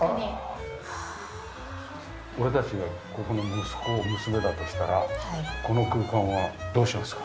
俺たちがここの息子娘だとしたらこの空間はどうしますか？